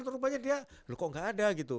rupanya dia kok gak ada gitu